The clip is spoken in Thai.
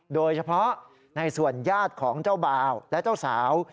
โดยเฉพาะในส่วนญาติของเจ้าบ่าวและเจ้าสาว